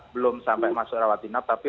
belum sampai masuk rawat inap tapi